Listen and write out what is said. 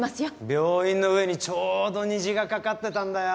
病院の上にちょうど虹がかかってたんだよ。